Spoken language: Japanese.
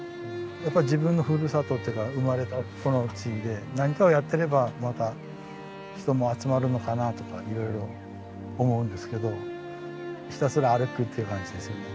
やっぱり自分のふるさとっていうか生まれたこの地で何かをやっていればまた人も集まるのかなとかいろいろ思うんですけどひたすら歩くっていう感じですよね。